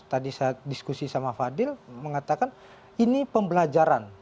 tadi saya diskusi sama fadil mengatakan ini pembelajaran